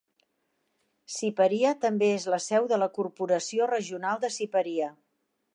Siparia també és la seu de la Corporació Regional de Siparia.